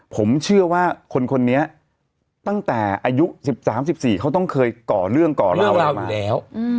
ผมเชื่อว่าคนนี้ตั้งแต่อายุ๑๓๑๔เขาต้องเคยก่อเรื่องก่อราวเรามาแล้ว